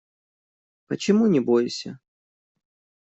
Почему не бойся?